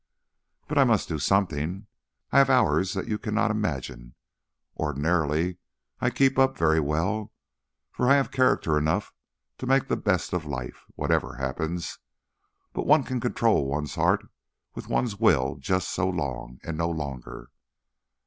"But I must do something. I have hours that you cannot imagine. Ordinarily I keep up very well, for I have character enough to make the best of life, whatever happens; but one can control one's heart with one's will just so long and no longer.